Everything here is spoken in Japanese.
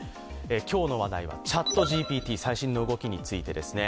今日の話題はＣｈａｔＧＰＴ、最新の動きについてですね。